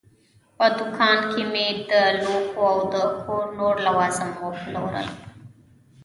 په دوکان کې مې د لوښو او د کور نور لوازم پلورل.